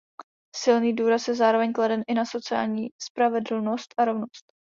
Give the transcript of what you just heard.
Silný důraz je zároveň kladen i na sociální spravedlnost a rovnost.